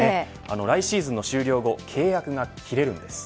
来シーズンの終了後契約が切れるんです。